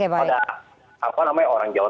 pada apa namanya orang jawa